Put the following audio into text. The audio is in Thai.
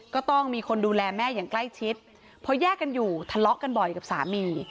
ก็ต้องมีคนดูแลแม่อย่างใกล้ชิดพอแยกกันอยู่ทะเลาะกันบ่อยกับสามี